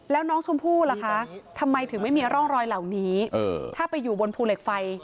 แล้วน้องชมพู่ล่ะคะทำไมถึงไม่มีร่องรอยเหล่านี้ถ้าไปอยู่บนภูเหล็กไฟ